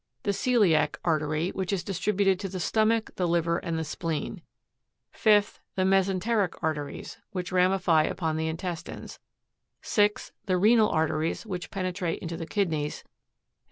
The caV/'.'/r artery, which is distributed to the stomach, the liver, and the spleen ; 30. 5th. The mesenteric arteries,\vhich ramify upon the intestines; 31. 6th. The renal arteries which penetrate into the kidneys ; 32.